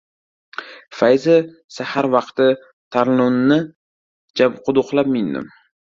Fayzi sahar vaqti Tarlonni jabduqlab mindim.